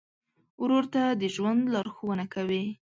ورور ته د ژوند لارښوونه کوې.